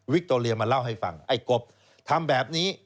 คโตเรียมาเล่าให้ฟังไอ้กบทำแบบนี้